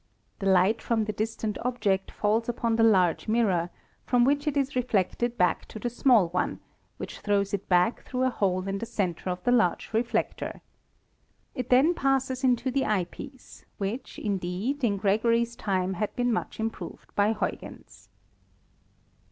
The light from the distant object falls upon the large mirror, from v which it is reflected back to the small one, which throws it back through a hole in the cen ter of the large reflector. It then passes into the eye piece, which, indeed, in Gregory's time had been much improved by Huygens.